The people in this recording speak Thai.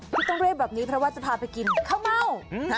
ที่ต้องเรียกแบบนี้เพราะว่าจะพาไปกินข้าวเม่า